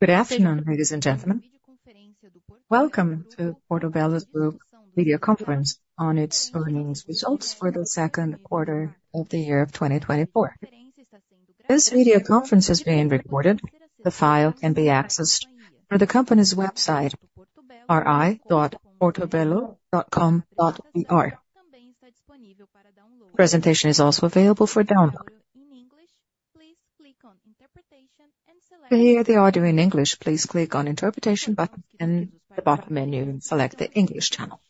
Good afternoon, ladies and gentlemen. Welcome to Portobello Group's video conference on its earnings results for the second quarter of the year of 2024. This video conference is being recorded. The file can be accessed on the company's website, ri.portobello.com.br. The presentation is also available for download. To hear the audio in English, please click on interpretation button in the bottom menu and select the English channel.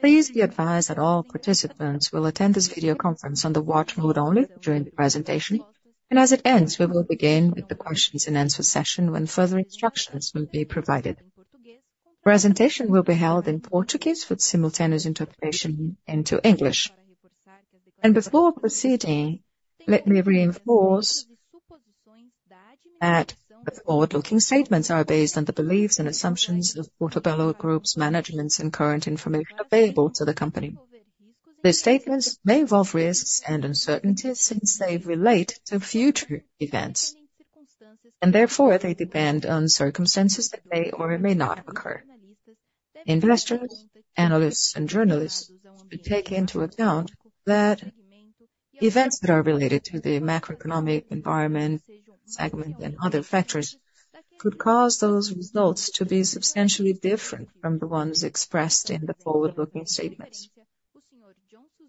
Please be advised that all participants will attend this video conference on the watch mode only during the presentation, and as it ends, we will begin with the questions and answer session, when further instructions will be provided. Presentation will be held in Portuguese with simultaneous interpretation into English. Before proceeding, let me reinforce that the forward-looking statements are based on the beliefs and assumptions of Portobello Group's management and current information available to the company. These statements may involve risks and uncertainties since they relate to future events, and therefore they depend on circumstances that may or may not occur. Investors, analysts, and journalists should take into account that events that are related to the macroeconomic environment, segment, and other factors, could cause those results to be substantially different from the ones expressed in the forward-looking statements.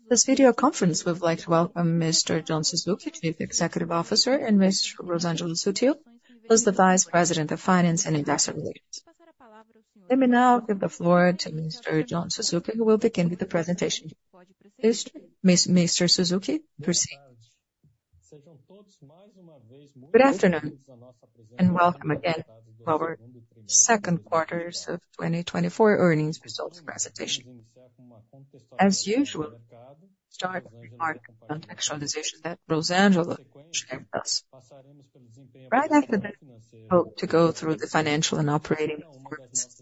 This video conference, we'd like to welcome Mr. John Suzuki, Chief Executive Officer, and Ms. Rosângela Sutil, who is the Vice President of Finance and Investor Relations. Let me now give the floor to Mr. John Suzuki, who will begin with the presentation. Mr. Suzuki, proceed. Good afternoon, and welcome again to our second quarter of 2024 earnings results presentation. As usual, start remark on contextualization that Rosângela shared with us. Right after this, hope to go through the financial and operating performance,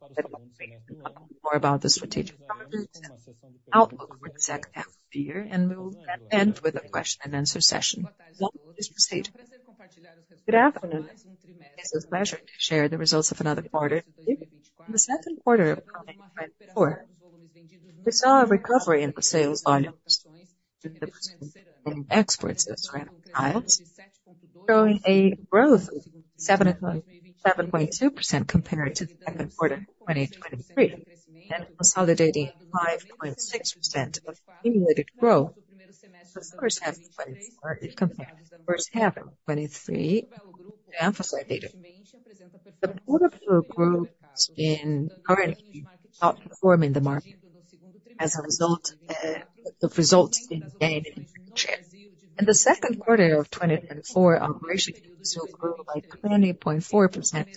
contemplate more about the strategic partners, outlook for the second half of the year, and we'll end with a question and answer session. Let us proceed. Good afternoon. It's a pleasure to share the results of another quarter. In the second quarter of 2024, we saw a recovery in the sales volumes in exports of ceramic tiles, showing a growth of 7.2% compared to the second quarter of 2023, and consolidating 5.6% of cumulative growth. The first half of 2024, compared to first half of 2023, emphasized data. The Portobello Group has been currently outperforming the market. As a result, the results in gain in market share. In the second quarter of 2024, operation grew by 20.4%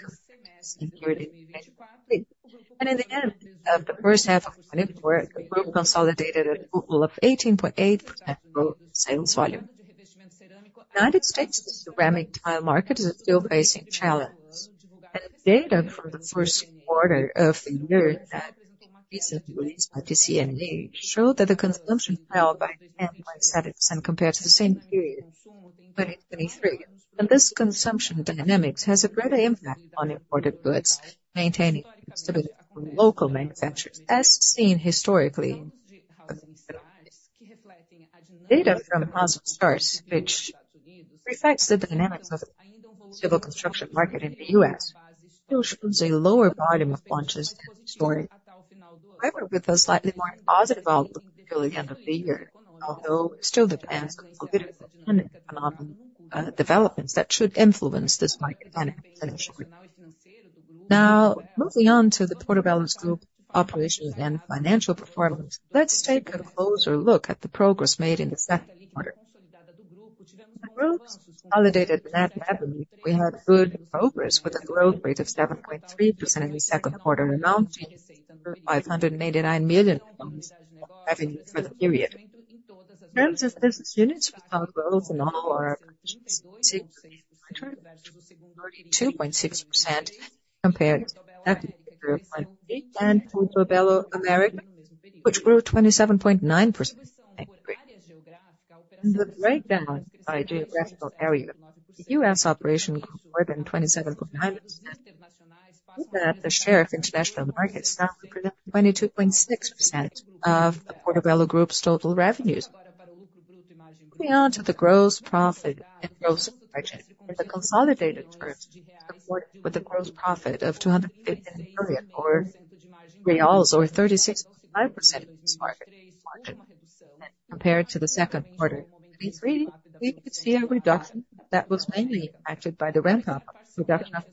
yearly. In the end of the first half of 2024, the group consolidated a total of 18.8% growth in sales volume. United States ceramic tile market is still facing challenge, and data from the first quarter of the year that recently released by the TCNA, show that the consumption fell by 10.7% compared to the same period, 2023. This consumption dynamics has a greater impact on imported goods, maintaining stability for local manufacturers, as seen historically. Data from Housing Starts, which reflects the dynamics of civil construction market in the U.S., still shows a lower volume of launches than last year. However, with a slightly more positive outlook until the end of the year, although still depends on economic developments that should influence this market dynamic potentially. Now, moving on to the Portobello Group operations and financial performance, let's take a closer look at the progress made in the second quarter. The group's consolidated net revenue, we had good progress with a growth rate of 7.3% in the second quarter, amounting to BRL 589 million in revenue for the period. In terms of business units, we found growth in all our 2.6% compared to 2023, and Portobello America, which grew 27.9%. In the breakdown by geographical area, the U.S. operation grew more than 27.9%. With that, the share of international markets now represent 22.6% of the Portobello Group's total revenues. Moving on to the gross profit and gross margin. In the consolidated group, with a gross profit of 250 million reals, or 36.5% margin, compared to the second quarter. We could see a reduction that was mainly impacted by the ramp-up of production of...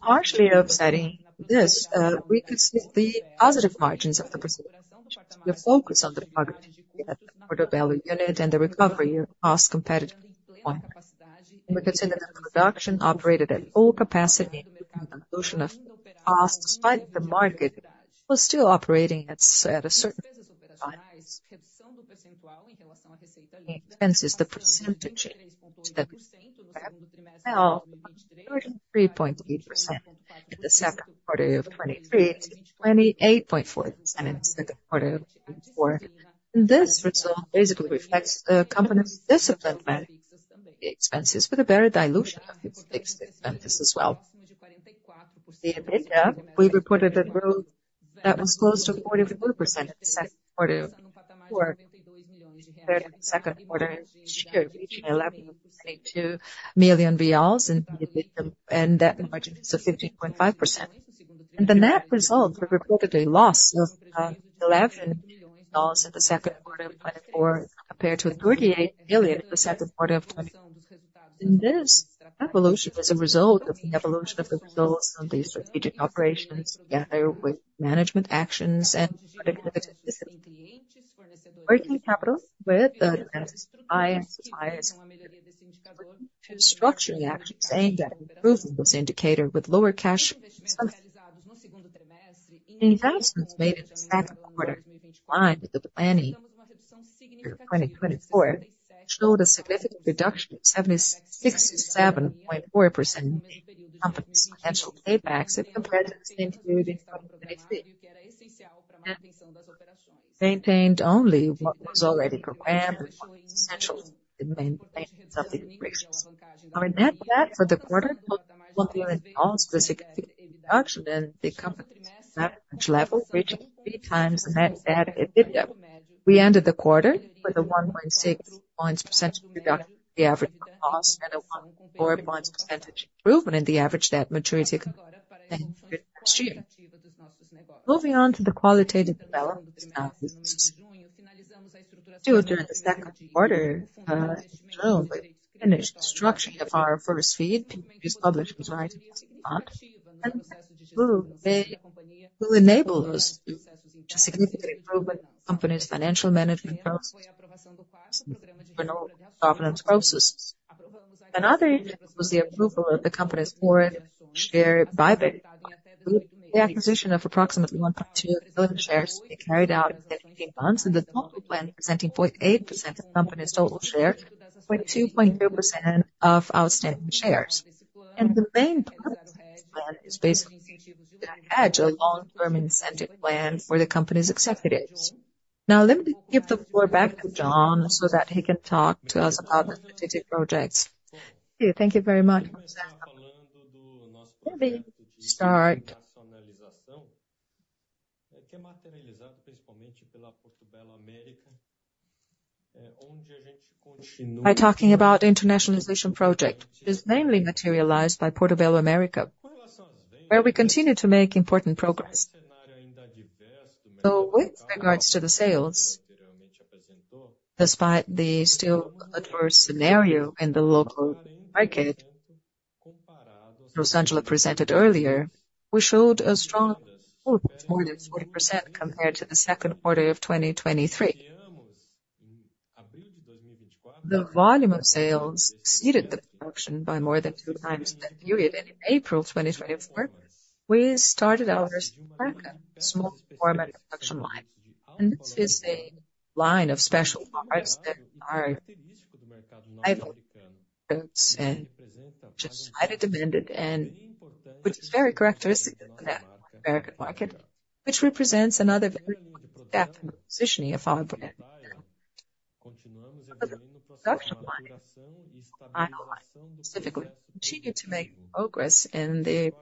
Partially offsetting this, we could see the positive margins of Brazil. The focus on the Portobello unit and the recovery of cost competitive point. We could see that production operated at full capacity and reduction of costs, despite the market was still operating at a certain point. Reduces the percentage to the 33.8% in the second quarter of 2023 to 28.4% in the second quarter of 2024. This result basically reflects the company's disciplined management. The expenses with a better dilution of its fixed expenses as well. The EBITDA, we reported a growth that was close to 42% in the second quarter, or third and second quarter of this year, reaching 11.2 million reais in EBITDA, and that margin is of 15.5%. The net results have reported a loss of BRL 11 million in the second quarter of 2024, compared to 38 million in the second quarter of 2020. This evolution is a result of the evolution of the results on the strategic operations, together with management actions and productivity. Working capital with the highest structural actions, saying that improvement of this indicator with lower cash. Investments made in the second quarter in line with the planning for 2024 showed a significant reduction of 67.4% in the company's potential paybacks at the present, including maintained only what was already programmed and essential to maintain something in crisis. Our Net Debt for the quarter fell to a significant reduction in the company's leverage level, reaching 3x Net Debt to EBITDA. We ended the quarter with a 1.6 percentage points reduction in the average cost, and a 14 percentage points improvement in the average debt maturity next year. Moving on to the qualitative development. Still during the second quarter, we finished structuring of our first FIDC, which published was right on. They will enable us to significantly improve the company's financial management processes and governance processes. Another was the approval of the company's fourth share buyback. The acquisition of approximately 1.2 million shares be carried out in 15 months, and the total plan presenting 0.8% of the company's total shares, with 2.2% of outstanding shares. The main plan is basically to hedge a long-term incentive plan for the company's executives. Now, let me give the floor back to John, so that he can talk to us about the strategic projects. Thank you. Thank you very much. Let me start by talking about internationalization project, which is mainly materialized by Portobello America, where we continue to make important progress. So with regards to the sales, despite the still adverse scenario in the local market, Rosângela presented earlier, we showed a strong growth of more than 40% compared to the second quarter of 2023. The volume of sales exceeded the production by more than 2x in that period. In April 2024, we started our first small format production line, and this is a line of special products that are high-end highly demanded, and which is very characteristic of the American market, which represents another very important positioning of our brand. The production line, specifically, continued to make progress in the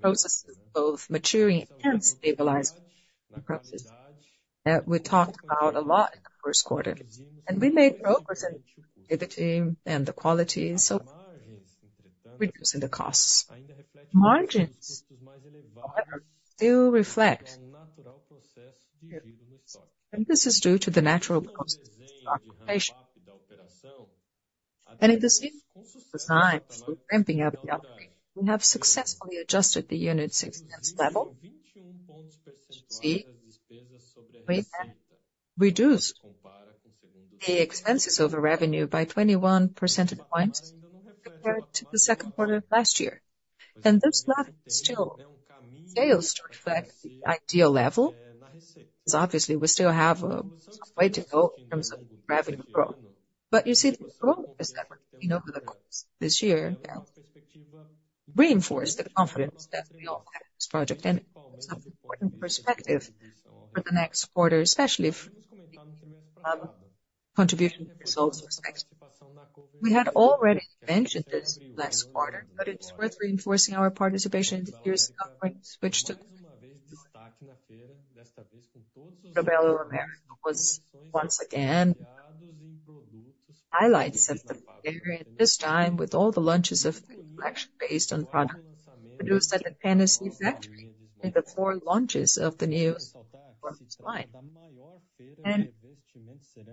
processes, both maturing and stabilizing the process we talked about a lot in the first quarter. We made progress in the activity and the quality, so reducing the costs. Margins, however, still reflect, and this is due to the natural cost of stock rotation. In the 6th design, we're ramping up the operation. We have successfully adjusted the unit fixed level. We, we reduced the expenses over revenue by 21 percentage points, compared to the second quarter of last year. And this level still fails to reflect the ideal level, because obviously we still have some way to go in terms of revenue growth. But you see the growth is definitely over the course of this year, reinforce the confidence that we all have in this project and some important perspective for the next quarter, especially if contribution results are expected. We had already mentioned this last quarter, but it's worth reinforcing our participation in this year's conference, which took. Portobello America was once again, highlights of the period, this time, with all the launches of the collection based on the product produced at the Tennessee factory, and the 4 launches of the new line.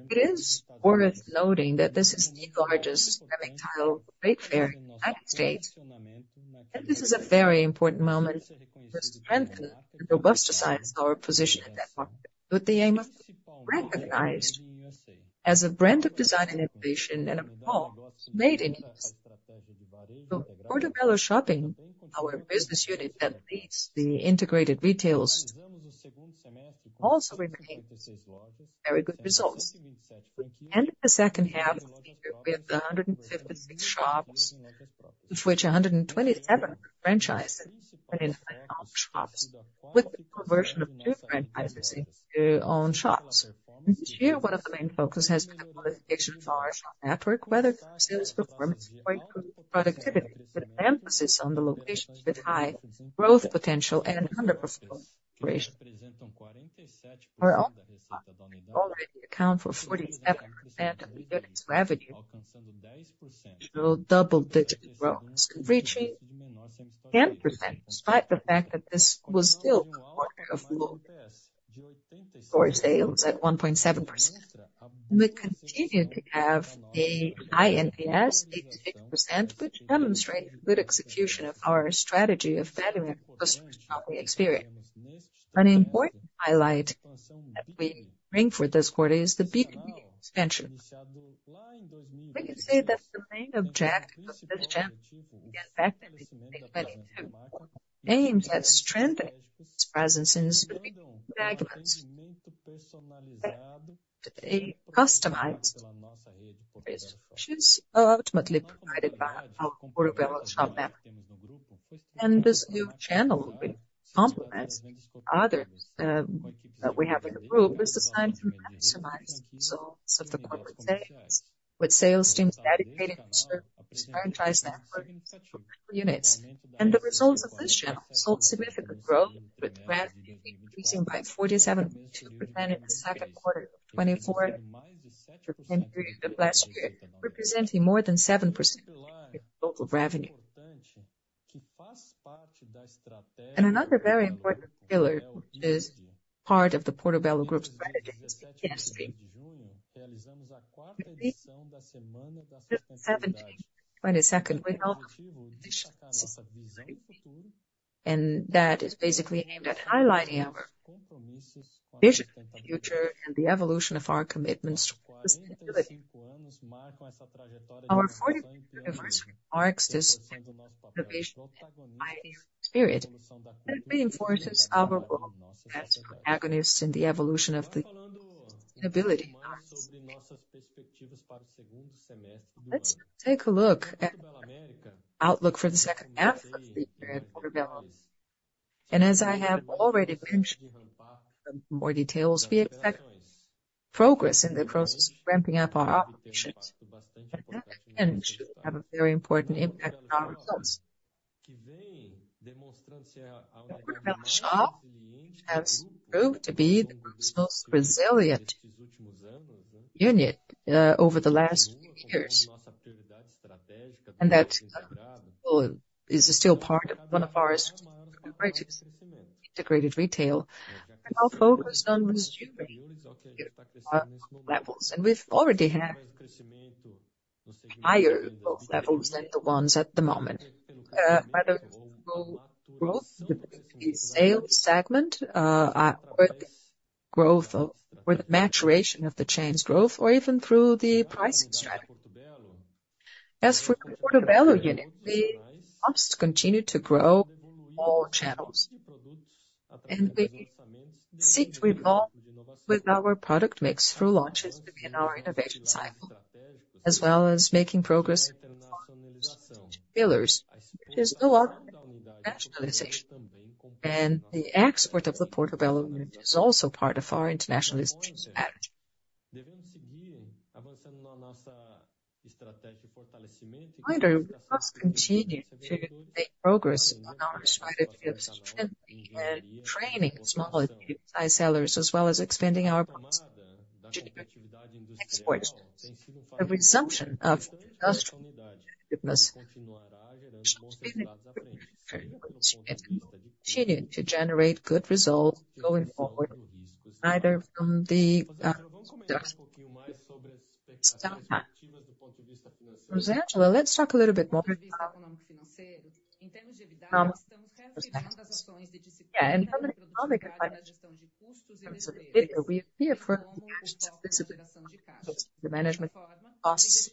It is worth noting that this is the largest ceramic tile trade fair in the United States, and this is a very important moment to strengthen and robustize our position in that market, with the aim of being recognized as a brand of design and innovation, and all made in U.S. So Portobello Shop, our business unit that leads the integrated retail, also remained very good results. In the second half, we have 156 shops, of which 127 franchises in our shops, with the conversion of two franchises into owned shops. This year, one of the main focus has been qualification of our network, whether sales performance or productivity, with an emphasis on the locations with high growth potential and underperforming operations. Our own shops already account for 47% of the business revenue, double-digit growth, reaching 10%, despite the fact that this was still a quarter of low store sales at 1.7%. We continue to have a high NPS, 86%, which demonstrates good execution of our strategy of valuing customer shopping experience. An important highlight that we bring for this quarter is the B2B expansion. We can say that the main object of this channel is effectively to aim at strengthening its presence in specific fragments. A customized solution is ultimately provided by our Portobello shop network. And this new channel, which complements others, that we have in the group, is designed to maximize sales of the Portobello segments, with sales teams dedicated to serve our franchise network for units. The results of this channel saw significant growth, with revenue increasing by 47.2% in the second quarter of 2024, compared to the last year, representing more than 7% of total revenue. Another very important pillar, which is part of the Portobello Group's strategy, is sustainability. On June 17, 2022, we held a vision, and that is basically aimed at highlighting our vision for the future and the evolution of our commitments to sustainability. Our 45th anniversary marks this innovation and pioneering spirit, and reinforces our role as protagonists in the evolution of the sustainability. Let's take a look at outlook for the second half of the year at Portobello. As I have already mentioned, in more details, we expect progress in the process of ramping up our operations, and should have a very important impact on our results. Portobello Shop has proved to be the group's most resilient unit, over the last few years, and that is still part of one of our greatest integrated retail, and are focused on distributing our levels. And we've already had higher levels than the ones at the moment, either through growth in the sales segment, or the maturation of the chain's growth, or even through the pricing strategy. As for Portobello unit, we must continue to grow all channels, and we seek to evolve with our product mix through launches within our innovation cycle, as well as making progress on pillars. There's a lot of internationalization, and the export of the Portobello unit is also part of our internationalist strategy. Further, we must continue to make progress on our strategy of strengthening and training small and medium-sized sellers, as well as expanding our products. Export. The resumption of industrial activities should continue to generate good results going forward, either from the perspective. Rosângela, let's talk a little bit more about.. From the perspective. Yeah, in terms of economic effect, we affirm the specific the management costs,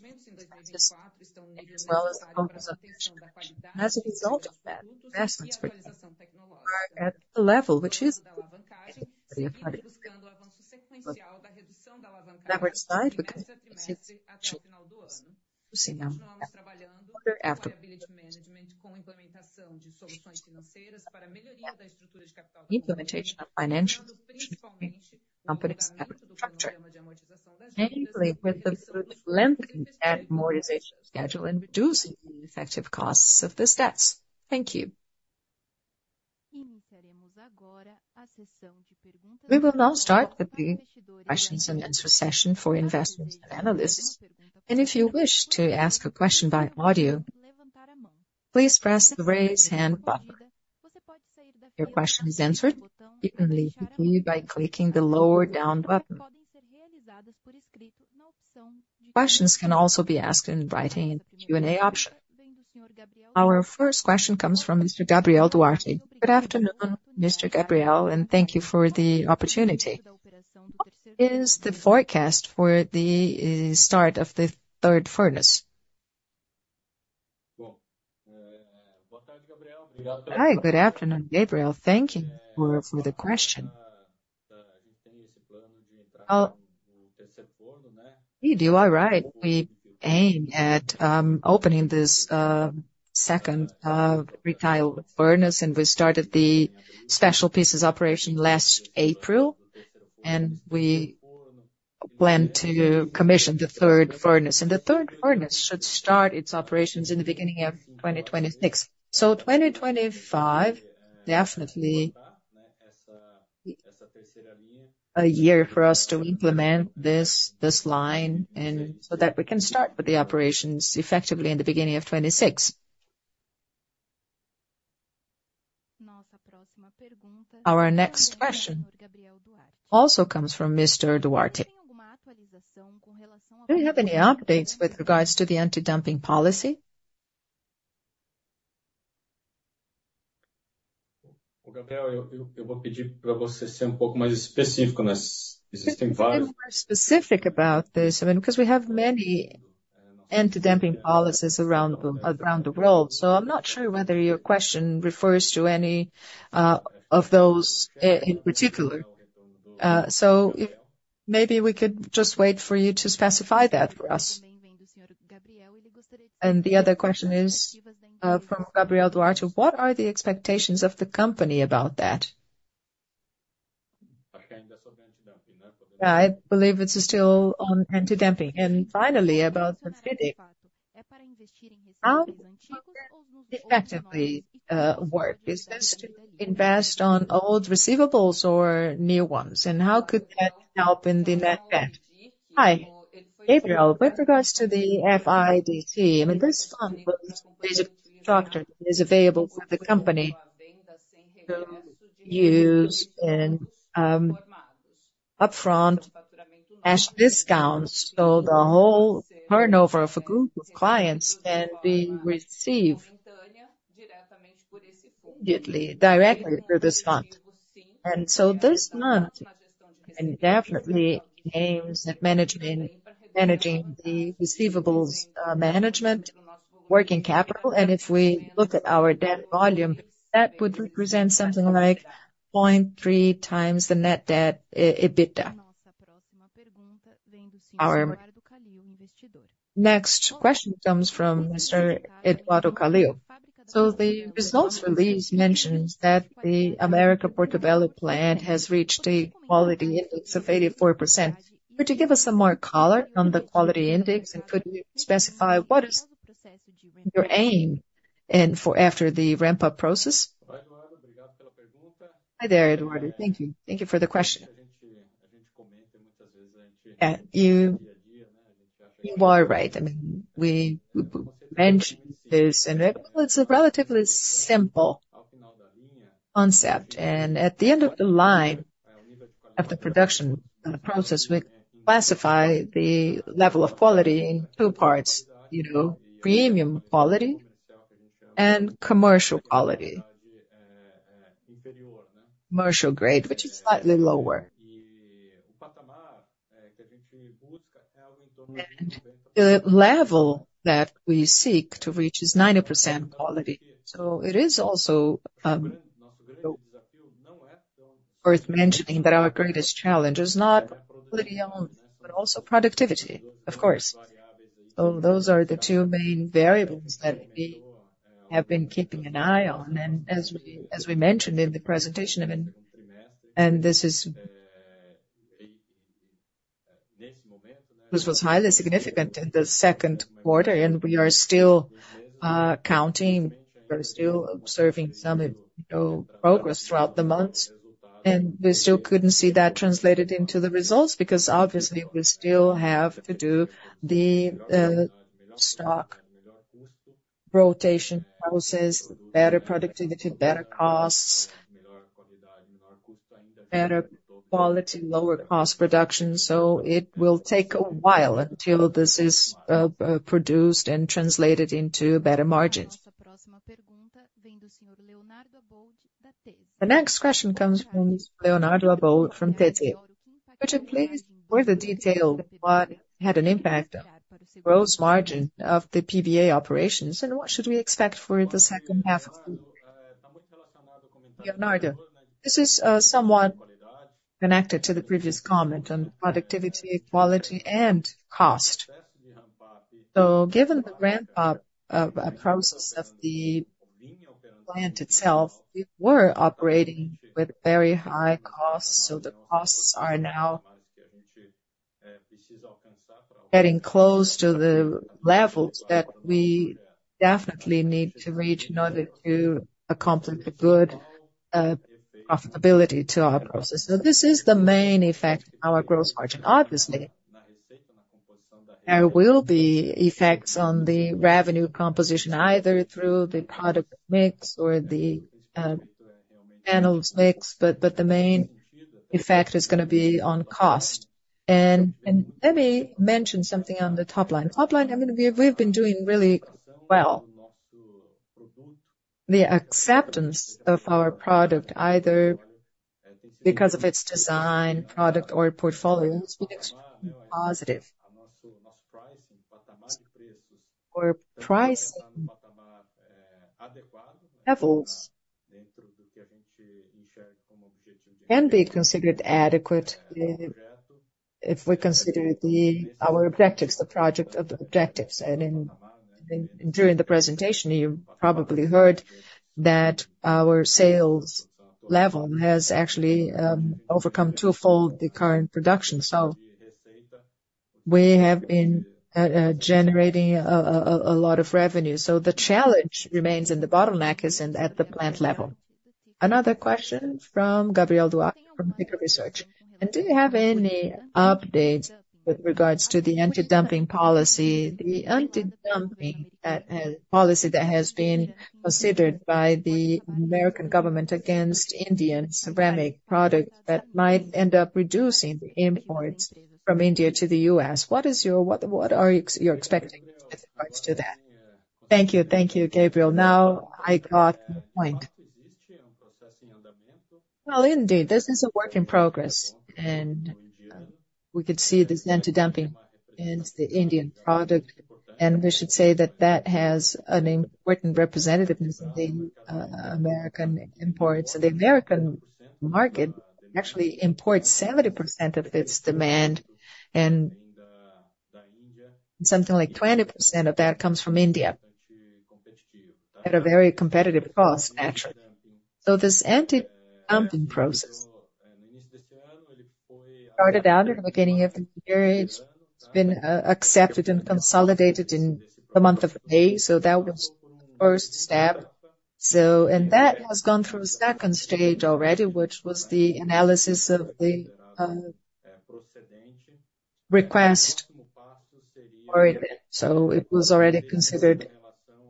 as well as the numbers of. As a result of that, investments are at a level which is good. On our side, we continue to work on profitability management, implementation of financial company capital structure, mainly with the lengthening and amortization schedule and reducing the effective costs of these debts. Thank you. We will now start with the questions and answers session for investors and analysts. If you wish to ask a question by audio, please press the raise hand button. If your question is answered, you can leave by clicking the lower hand button. Questions can also be asked in writing in the Q&A option. Our first question comes from Mr. Gabriel Duarte. Good afternoon, Mr. Gabriel, and thank you for the opportunity. What is the forecast for the start of the third furnace? Hi, good afternoon, Gabriel. Thank you for the question. Oh, you do, all right. We aim at opening this second retail furnace, and we started the special pieces operation last April, and we plan to commission the third furnace. And the third furnace should start its operations in the beginning of 2026. So 2025, definitely a year for us to implement this line, and so that we can start with the operations effectively in the beginning of 2026. Our next question also comes from Mr. Duarte. Do you have any updates with regards to the anti-dumping policy? Be more specific about this, I mean, because we have many anti-dumping policies around the world, so I'm not sure whether your question refers to any of those in particular. So maybe we could just wait for you to specify that for us. The other question is, from Gabriel Duarte. What are the expectations of the company about that? I believe it's still on anti-dumping. And finally, about the FIDC. How effectively work? Is this to invest on old receivables or new ones, and how could that help in the net debt? Hi, Gabriel. With regards to the FIDC, I mean, this fund is a factor, is available for the company to use and, upfront as discounts. So the whole turnover of a group of clients can be received immediately, directly through this fund. And so this fund definitely aims at managing the receivables management working capital. And if we look at our debt volume, that would represent something like 0.3x the net debt, EBITDA. Our next question comes from Mr. Eduardo Kalil. So the results release mentions that the Portobello America plant has reached a quality index of 84%. Could you give us some more color on the quality index, and could you specify what is your aim and for after the ramp-up process? Hi there, Eduardo. Thank you. Thank you for the question. You are right. I mean, we mentioned this, and it, well, it's a relatively simple concept. And at the end of the line, of the production process, we classify the level of quality in two parts: you know, premium quality and commercial quality. Commercial grade, which is slightly lower. The level that we seek to reach is 90% quality. So it is also worth mentioning that our greatest challenge is not quality only, but also productivity, of course. So those are the two main variables that we have been keeping an eye on. And as we, as we mentioned in the presentation, I mean-- And this is- This was highly significant in the second quarter, and we are still counting, we're still observing some, you know, progress throughout the months. And we still couldn't see that translated into the results, because obviously, we still have to do the stock rotation process, better productivity, better costs, better quality, lower cost production. So it will take a while until this is produced and translated into better margins. The next question comes from Leonardo Abboud from XP Investimentos. Could you please further detail what had an impact on gross margin of the PBA operations, and what should we expect for the second half of the year? Leonardo, this is somewhat connected to the previous comment on productivity, quality, and cost. So given the ramp up process of the plant itself, we were operating with very high costs, so the costs are now getting close to the levels that we definitely need to reach in order to accomplish a good profitability to our process. So this is the main effect on our growth margin. Obviously, there will be effects on the revenue composition, either through the product mix or the panels mix, but the main effect is gonna be on cost. And let me mention something on the top line. Top line, I mean, we've been doing really well. The acceptance of our product, either because of its design, product or portfolio, it's been positive. Our pricing levels can be considered adequate, if we consider our objectives, the project objectives. During the presentation, you probably heard that our sales level has actually overcome twofold the current production. We have been generating a lot of revenue. The challenge remains, and the bottleneck is at the plant level. Another question from Gabriel Duarte from Itaú BBA. Do you have any updates with regards to the anti-dumping policy? The anti-dumping policy that has been considered by the American government against Indian ceramic products that might end up reducing the imports from India to the US. What are you expecting with regards to that? Thank you. Thank you, Gabriel. Now, I got the point. Well, indeed, this is a work in progress, and we could see this anti-dumping and the Indian product, and we should say that that has an important representativeness in the American imports. The American market actually imports 70% of its demand, and something like 20% of that comes from India, at a very competitive cost, naturally. So this anti-dumping process started out at the beginning of the period. It's been accepted and consolidated in the month of May, so that was the first step. And that has gone through a second stage already, which was the analysis of the request for it. So it was already considered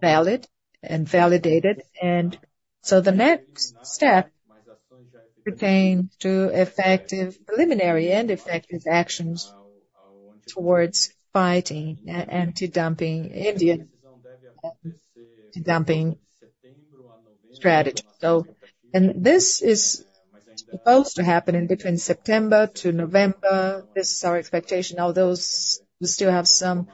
valid and validated. And so the next step pertain to effective preliminary and effective actions towards fighting anti-dumping, Indian anti-dumping strategy. And this is supposed to happen in between September to November. This is our expectation, although we still have some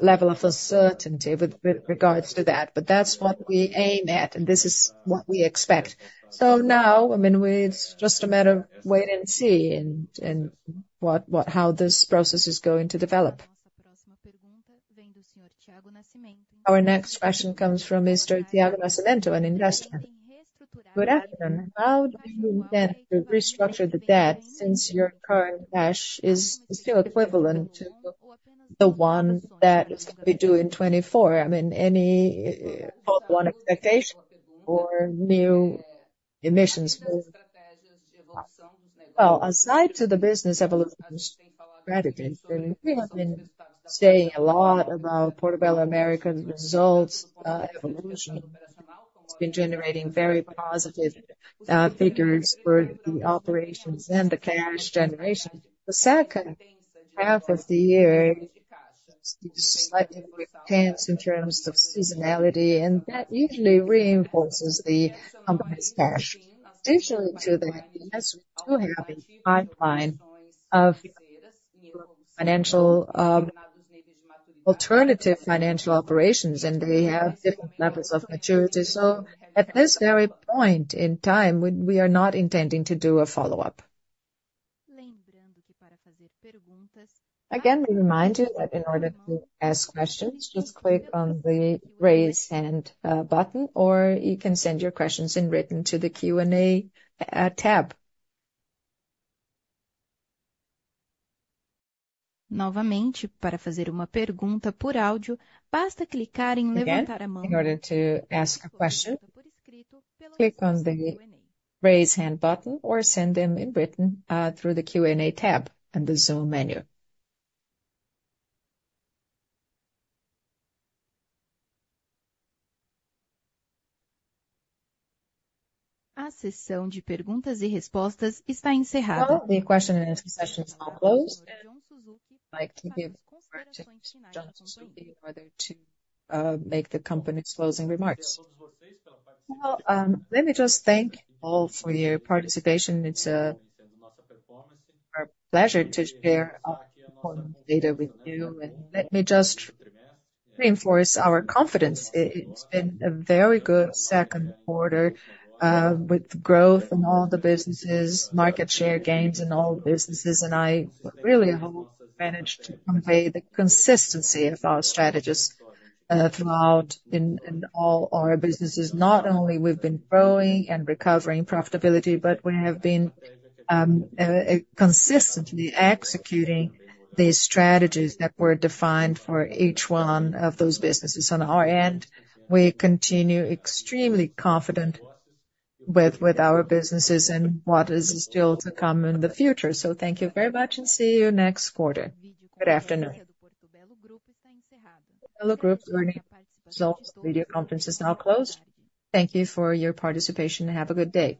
level of uncertainty with regards to that. But that's what we aim at, and this is what we expect. So now, I mean, it's just a matter of wait and see and what how this process is going to develop. Our next question comes from Mr. Tiago Nascimento, an investor. Good afternoon. How do you plan to restructure the debt, since your current cash is still equivalent to the one that is going to be due in 2024? I mean, any one expectation or new emissions? Well, aside to the business evolution strategy, and we have been saying a lot about Portobello America's results evolution. It's been generating very positive figures for the operations and the cash generation. The second half of the year, slightly intense in terms of seasonality, and that usually reinforces the company's cash. Additionally to that, yes, we do have a pipeline of financial, alternative financial operations, and they have different levels of maturity. So at this very point in time, we are not intending to do a follow-up. Again, we remind you that in order to ask questions, just click on the Raise Hand, button, or you can send your questions in written to the Q&A, tab. Again, in order to ask a question, click on the Raise Hand button or send them in written, through the Q&A tab in the Zoom menu. Well, the question and answer session is now closed. I'd like to give back to John Suzuki in order to, make the company's closing remarks. Well, let me just thank all for your participation. It's our pleasure to share our performance data with you. Let me just reinforce our confidence. It's been a very good second quarter with growth in all the businesses, market share gains in all the businesses. I really have managed to convey the consistency of our strategies throughout in all our businesses. Not only we've been growing and recovering profitability, but we have been consistently executing the strategies that were defined for each one of those businesses. On our end, we continue extremely confident with our businesses and what is still to come in the future. Thank you very much, and see you next quarter. Good afternoon. Portobello Group's earnings results video conference is now closed. Thank you for your participation, and have a good day.